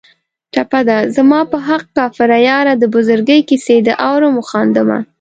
ټپه ده: زما په حق کافره یاره د بزرګۍ کیسې دې اورم و خاندمه